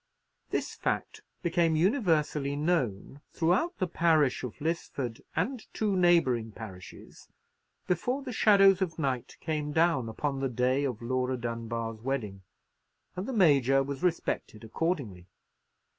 This fact became universally known throughout the parish of Lisford and two neighbouring parishes, before the shadows of night came down upon the day of Laura Dunbar's wedding, and the Major was respected accordingly.